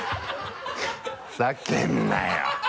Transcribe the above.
ふざけんなよ。